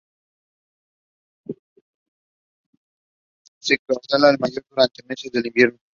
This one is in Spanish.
Su caudal es mayor durante los meses de invierno.